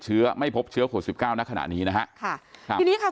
เชื้อไม่พบเชื้อโครสิบเก้าณขณะนี้นะฮะค่ะทีนี้ค่ะ